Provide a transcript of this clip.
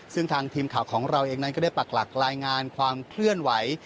ซึ่งทางทีมข่าวของเราเองนั้นก็ได้ปักหลักรายงานความเคลื่อนไหว